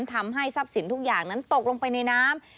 ทำให้ทรัพย์สินทุกอย่างนั้นตกลงไปในน้ำ